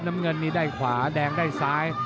น้ำเงินนี่ได้ขวาแดงได้ซ้าย